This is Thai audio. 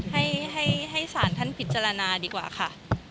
ให้สารท่านพิจารณาดีกว่าค่ะ